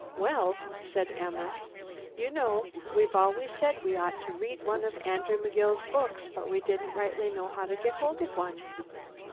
"Well," said Emma, "you know we've always said we ought to read one of Andrew McGill's books but we didn't rightly know how to get hold of one.